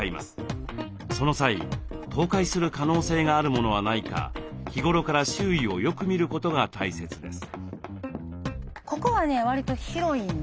その際倒壊する可能性があるものはないか日頃から周囲をよく見ることが大切です。